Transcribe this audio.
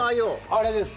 あれです。